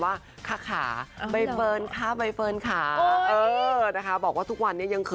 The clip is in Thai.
เอาจริงว่านายโกติส่วนใหญ่นะ